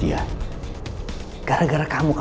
gara gara kamu kau bisa berhubungan aku sama papa ya